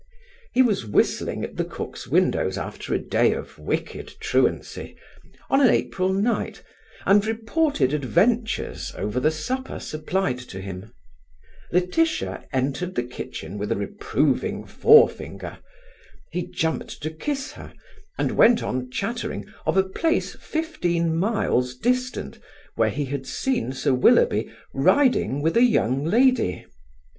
He was whistling at the cook's windows after a day of wicked truancy, on an April night, and reported adventures over the supper supplied to him. Laetitia entered the kitchen with a reproving forefinger. He jumped to kiss her, and went on chattering of a place fifteen miles distant, where he had seen Sir Willoughby riding with a young lady.